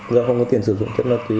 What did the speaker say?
do không có tiền sử dụng chất năng tùy